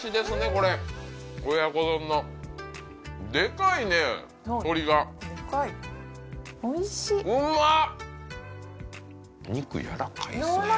これ親子丼のデカイね鶏がデカイおいしいうまっ！